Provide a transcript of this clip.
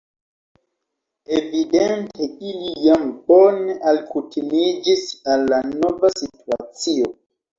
Evidente ili jam bone alkutimiĝis al la nova situacio.